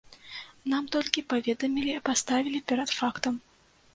Нам толькі паведамілі, паставілі перад фактам.